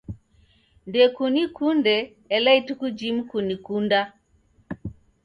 Ndekunikunde ela ituku jimu kunikunda.